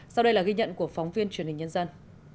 sau đây là ghi nhận của phóng viên truyền hình nhân dân